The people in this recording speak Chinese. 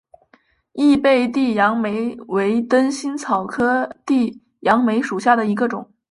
异被地杨梅为灯心草科地杨梅属下的一个种。